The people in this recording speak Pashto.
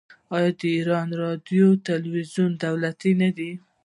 آیا د ایران راډیو او تلویزیون دولتي نه دي؟